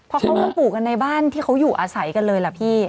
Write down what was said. เพราะเขาก็ปลูกกันในบ้านที่เขาอยู่อาศัยกันเลยล่ะพี่